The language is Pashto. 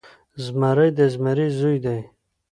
زمری د زمري زوی دی.